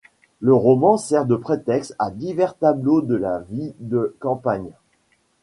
Le roman sert de prétexte à divers tableaux de la vie de campagne.